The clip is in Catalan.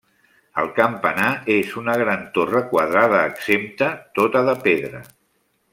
El campanar és una gran torre quadrada exempta, tota de pedra.